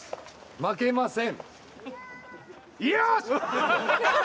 負けません！